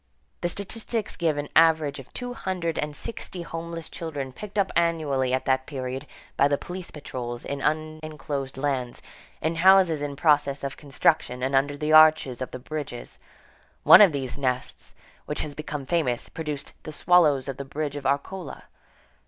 The statistics give an average of two hundred and sixty homeless children picked up annually at that period, by the police patrols, in unenclosed lands, in houses in process of construction, and under the arches of the bridges. One of these nests, which has become famous, produced "the swallows of the bridge of Arcola."